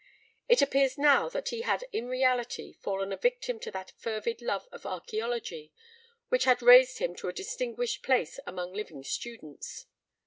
It appears now that he had in reality fallen a victim to that fervid love of archaeology which had raised him to a distinguished place among living scholars.